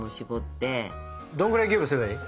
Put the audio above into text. どんぐらいギューぶすればいい？